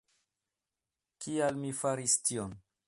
Kial mi faris tion?